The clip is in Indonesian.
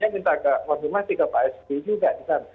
minta konfirmasi ke pak sd juga